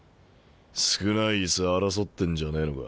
少ない椅子争ってんじゃねえのか。